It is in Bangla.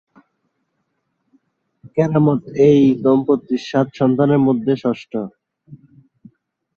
কেরামত এই দম্পতির সাত সন্তানের মধ্যে ষষ্ঠ।